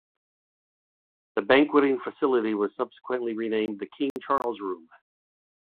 The banqueting facility was subsequently renamed the King Charles Room.